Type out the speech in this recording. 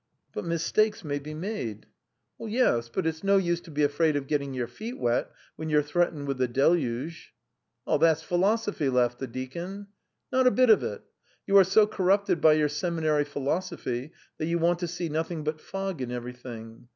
"But mistakes may be made!" "Yes, but it's no use to be afraid of getting your feet wet when you are threatened with the deluge!" "That's philosophy," laughed the deacon. "Not a bit of it. You are so corrupted by your seminary philosophy that you want to see nothing but fog in everything.